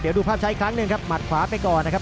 เดี๋ยวดูภาพใช้อีกครั้งหนึ่งครับหมัดขวาไปก่อนนะครับ